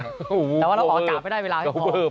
เราก็ออกกลับไม่ได้เวลาให้พอ